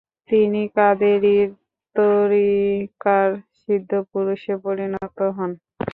তিনি কাদেরীয় তরীকার সিদ্ধ পুরুষে পরিণত হন।